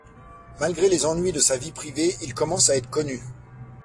Malgré les ennuis de sa vie privée, il commence à être connu.